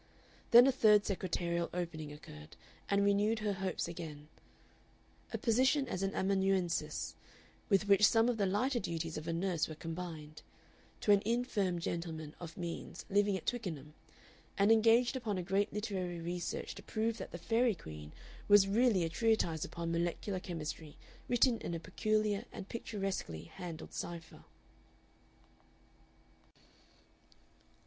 Then a third secretarial opening occurred and renewed her hopes again: a position as amanuensis with which some of the lighter duties of a nurse were combined to an infirm gentleman of means living at Twickenham, and engaged upon a great literary research to prove that the "Faery Queen" was really a treatise upon molecular chemistry written in a peculiar and picturesquely handled cipher.